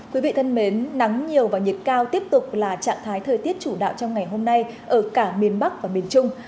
quý vị thân mến nắng nhiều và nhiệt cao tiếp tục là trạng thái thời tiết chủ đạo trong ngày hôm nay ở cả miền bắc và miền trung